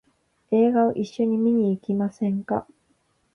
映画を一緒に見に行きませんか？